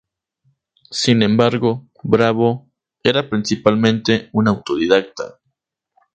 Sin embargo, Bravo era principalmente un autodidacta.